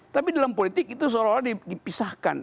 tapi dalam politik itu seolah olah dipisahkan